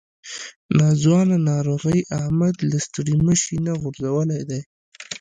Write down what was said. ناځوانه ناروغۍ احمد له ستړي مشي نه غورځولی دی.